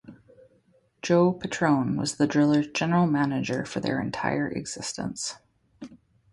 Joe Petrone was the Drillers general manager for their entire existence.